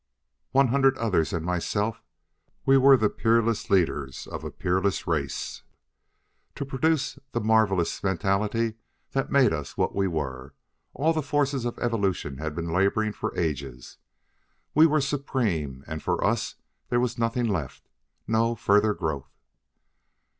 "One hundred others and myself; we were the peerless leaders of a peerless race. To produce the marvelous mentality that made us what we were, all the forces of evolution had been laboring for ages. We were supreme, and for us there was nothing left; no further growth.